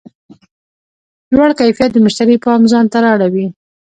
لوړ کیفیت د مشتری پام ځان ته رااړوي.